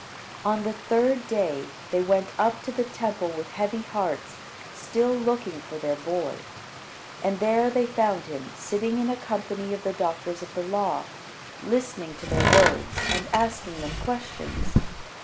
On the third day, they went up to the Temple with heavy hearts, still looking for their boy. And there they found him sitting in a company of the doctors of the law, listening to their words and asking them questions.